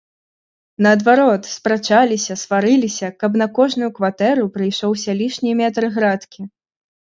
Наадварот, спрачаліся, сварыліся, каб на кожную кватэру прыйшоўся лішні метр градкі.